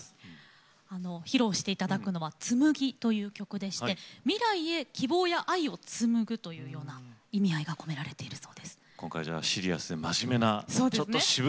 披露していただくのは「紡‐ＴＳＵＭＵＧＩ‐」という曲でして未来へ希望や愛を紡ぐという思いが込められているそうです。